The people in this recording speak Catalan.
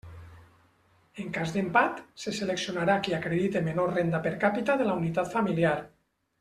En cas d'empat, se seleccionarà qui acredite menor renda per capita de la unitat familiar.